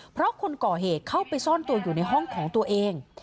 เพราะคนก่อเหตุเข้าไปซ่อนตัวอยู่ในห้องของตัวเอง